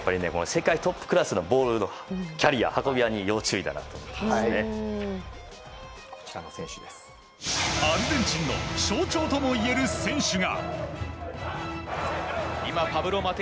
世界トップクラスのボールキャリアーアルゼンチンの象徴ともいえる選手が。